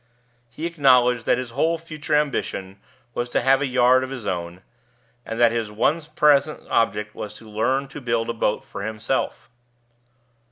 He acknowledged that his whole future ambition was to have a yard of his own, and that his one present object was to learn to build a boat for himself.